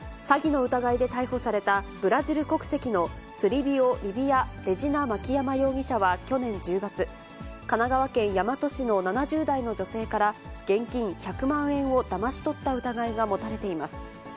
詐欺の疑いで逮捕された、ブラジル国籍のツリビオ・リビア・レジナ・マキヤマ容疑者は去年１０月、神奈川県大和市の７０代の女性から、現金１００万円をだまし取った疑いが持たれています。